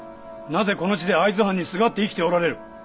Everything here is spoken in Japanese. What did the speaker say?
なぜこの地で会津藩にすがって生きておられる？